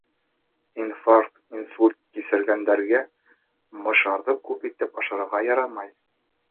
Инфаркт, инсульт кисергәндәргә мышарҙы күп итеп ашарға ярамай.